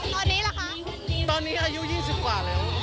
ตอนนี้ก็แค่๒๐กว่า